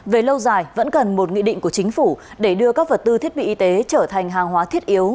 về lâu dài vẫn cần một nghị định của chính phủ để đưa các vật tư thiết bị y tế trở thành hàng hóa thiết yếu